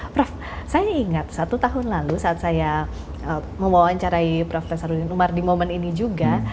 prof saya ingat satu tahun lalu saat saya mewawancarai prof nasaruddin umar di momen ini juga